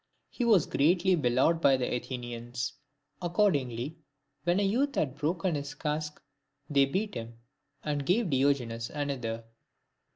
He was greatly beloved by the Athenians; accordingly, when a youth had broken his cask they beat him, and gave Diogenes another.